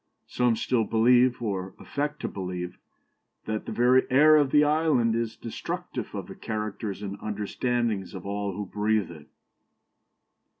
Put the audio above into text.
Some still believe, or affect to believe, that the very air of the island is destructive of the characters and understandings of all who breathe it."